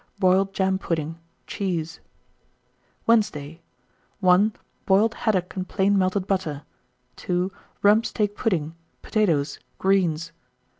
Boiled jam pudding. Cheese. 1920. Wednesday. 1. Boiled haddock and plain melted butter. 2. Rump steak pudding, potatoes, greens.